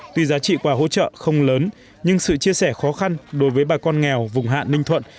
tuy giá trị quà hỗ trợ không lớn nhưng sự chia sẻ khó khăn đối với bà con nghèo vùng hạn ninh thuận